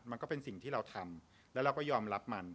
มันก็เป็นสิ่งที่เราทำแล้วเราก็ยอมรับมัน